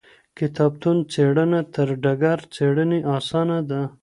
کتابتون څېړنه تر ډګر څېړنې اسانه ده.